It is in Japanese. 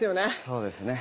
そうですね。